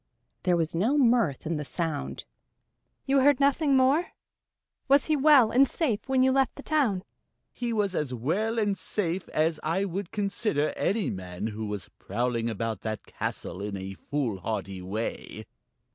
There was no mirth in the sound. "You heard nothing more? Was he well and safe when you left the town?" "He was as well and safe as I would consider any man who was prowling about that castle in a foolhardy way."